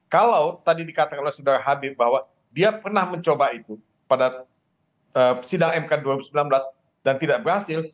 kalau tadi dikatakan oleh saudara habib bahwa dia pernah mencoba itu pada sidang mk dua ribu sembilan belas dan tidak berhasil